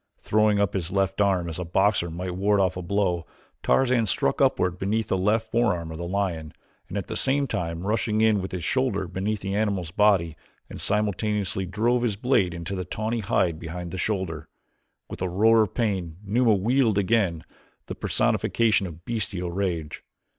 Throwing up his left arm as a boxer might ward off a blow, Tarzan struck upward beneath the left forearm of the lion, at the same time rushing in with his shoulder beneath the animal's body and simultaneously drove his blade into the tawny hide behind the shoulder. With a roar of pain Numa wheeled again, the personification of bestial rage.